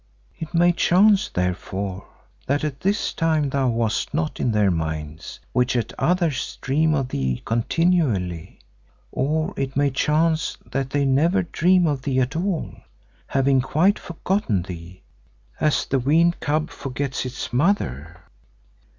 It may chance therefore that at this time thou wast not in their minds which at others dream of thee continually. Or it may chance that they never dream of thee at all, having quite forgotten thee, as the weaned cub forgets its mother."